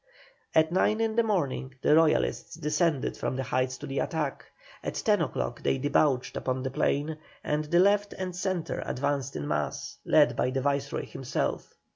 At nine in the morning the Royalists descended from the heights to the attack. At ten o'clock they debouched upon the plain, and the left and centre advanced in mass, led by the Viceroy himself.